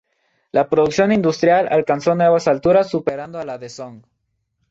La producción industrial alcanzó nuevas alturas superando a la de Song.